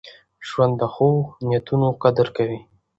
ژوند د ښو نیتونو قدر کوي.